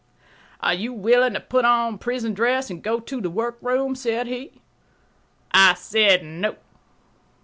"Are you willing to put on prison dress and go to the workroom?" said he. I said, "No."